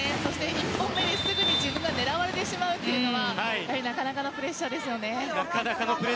１本目で自分が狙われてしまうというのはなかなかのプレッシャーですよね。